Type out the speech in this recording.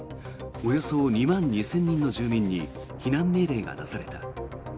およそ２万２０００人の住民に避難命令が出された。